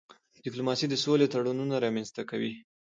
ډيپلوماسی د سولي تړونونه رامنځته کړي دي.